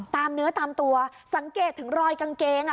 ตามเนื้อตามตัวสังเกตถึงรอยกางเกงอ่ะ